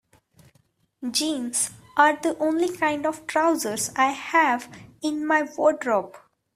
Jeans are the only kind of trousers I have in my wardrobe.